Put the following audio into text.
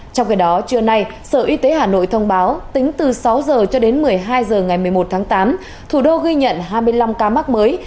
trong khi đó trưa nay sở y tế hà nội thông báo tính từ sáu h cho đến một mươi hai h ngày một mươi một tháng tám thủ đô ghi nhận hai mươi năm ca mắc mới